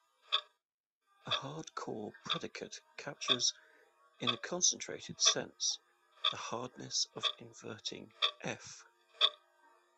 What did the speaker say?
A hard-core predicate captures "in a concentrated sense" the hardness of inverting "f".